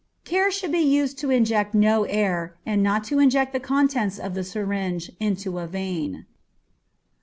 Care should be used to inject no air, and not to inject the contents of the syringe, into a vein.